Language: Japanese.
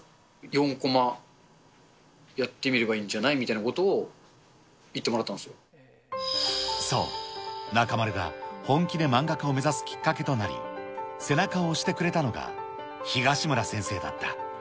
４コマやってみればいいんじゃないみたいなことを言ってもらったそう、中丸が本気で漫画家を目指すきっかけとなり、背中を押してくれたのが東村先生だった。